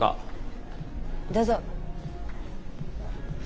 どうぞ。